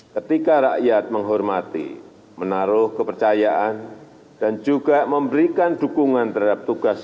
ketika rakyat menghormati menaruh kepercayaan dan juga memberikan dukungan terhadap tugas